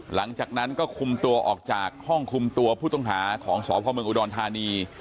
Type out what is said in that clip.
หลังจากนั้นก็คุมตัวออกจากห้องคุมตัวผู้ต้องหาของสพเมืองอุดรธานี